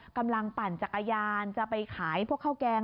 ปั่นจักรยานจะไปขายพวกข้าวแกง